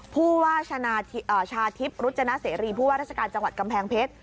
ผู้ว่าชาทิพย์รุจนเสรีผู้ว่าราชการจังหวัดกำแพงเพชร